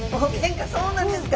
そうなんですか。